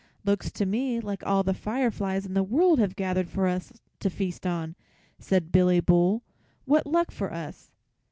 "Looks to me like all the fireflies in the world had gathered for us to feast on," said Billy Bull. "What luck for us."